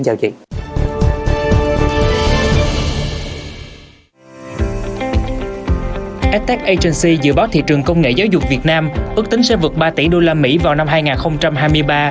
sche agenc dự báo thị trường công nghệ giáo dục việt nam ước tính sẽ vượt ba tỷ usd vào năm hai nghìn hai mươi ba